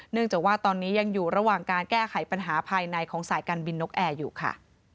จากว่าตอนนี้ยังอยู่ระหว่างการแก้ไขปัญหาภายในของสายการบินนกแอร์อยู่ค่ะ